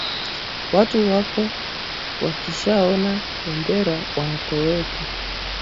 Watu wako wakishaona bendera, wanatoweka.